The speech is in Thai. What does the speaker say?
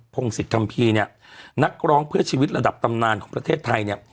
โพงศิษย์คำพี่เนี้ยนักร้องเพื่อชีวิตศ์ระดับตำนานของประเทศไทยนี่